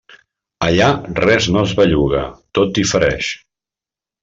Allà res no es belluga, tot difereix.